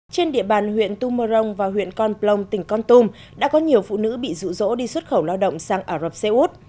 trên địa bàn huyện tumorong và huyện con plong tỉnh con tum đã có nhiều phụ nữ bị rụ rỗ đi xuất khẩu lao động sang ả rập xê út